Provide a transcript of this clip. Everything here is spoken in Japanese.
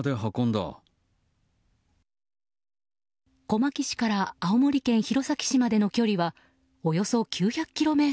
小牧市から青森県弘前市までの距離はおよそ９００ｋｍ。